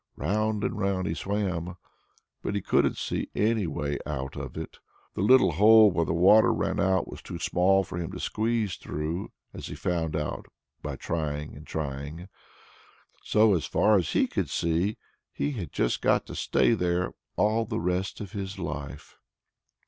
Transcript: Round and round he swam, but he couldn't see any way out of it. The little hole where the water ran out was too small for him to squeeze through, as he found out by trying and trying. So far as he could see, he had just got to stay there all the rest of his life.